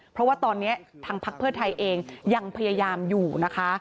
เพราะว่าตอนนี้ทางพักเพื่อไทยเองยังพยายามอยู่นะคะ